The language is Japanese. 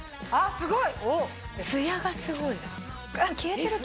すごい！